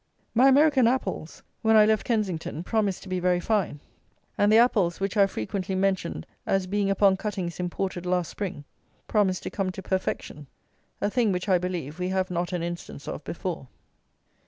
My American apples, when I left Kensington, promised to be very fine; and the apples, which I have frequently mentioned as being upon cuttings imported last Spring, promised to come to perfection; a thing which, I believe, we have not an instance of before.